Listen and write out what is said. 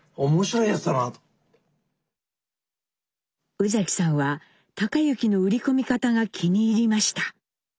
宇崎さんは隆之の売り込み方が気に入りました。